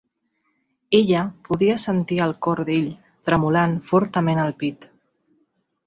Ella podia sentir el cor d'ell tremolant fortament al pit.